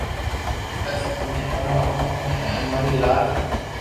بس ھمي ٽارو ھاٿ مي ھي امري لاج